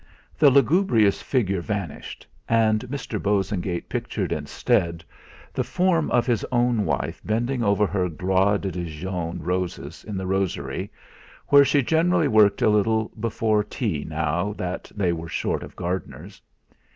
The lugubrious figure vanished, and Mr. Bosengate pictured instead the form of his own wife bending over her "Gloire de Dijon roses" in the rosery, where she generally worked a little before tea now that they were short of gardeners.